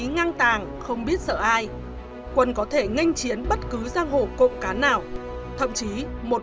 năng tàng không biết sợ ai quân có thể nganh chiến bất cứ giang hồ cộng cá nào thậm chí một